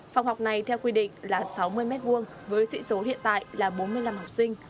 phòng học này theo quy định là sáu mươi m hai với sĩ số hiện tại là bốn mươi năm học sinh